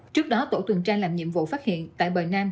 trước đó tổ tuần tra làm nhiệm vụ phát hiện tại bờ nam